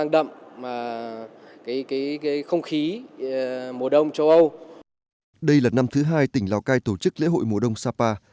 đây là năm thứ hai tỉnh lào cai tổ chức lễ hội mùa đông sapa